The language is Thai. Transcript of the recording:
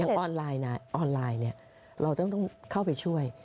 อย่างออนไลน์ออนไลน์เนี้ยเราต้องต้องเข้าไปช่วย